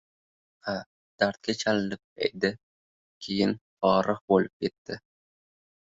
— Ha, dardga chalinib edi. Keyin, forig‘ bo‘lib edi.